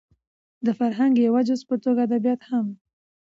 د فرهنګ د يوه جز په توګه ادبيات هم